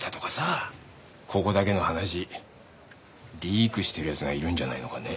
ここだけの話リークしてる奴がいるんじゃないのかね？